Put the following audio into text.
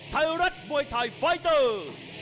ไทยรัฐมวยไทยไฟเตอร์